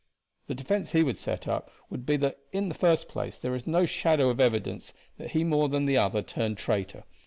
The defense he would set up would be that in the first place there is no shadow of evidence that he more than the other turned traitor.